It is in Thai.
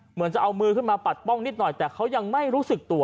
เหมือนจะเอามือขึ้นมาปัดป้องนิดหน่อยแต่เขายังไม่รู้สึกตัว